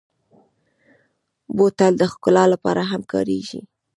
بوتل د ښکلا لپاره هم کارېږي.